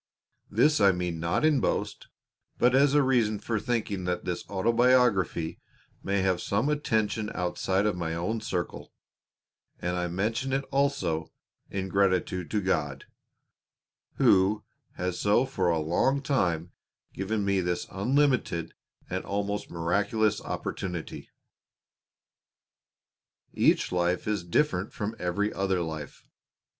This I mean not in boast, but as a reason for thinking that this autobiography may have some attention outside of my own circle, and I mention it also in gratitude to God, Who has for so long a time given me this unlimited and almost miraculous opportunity. Each life is different from every other life.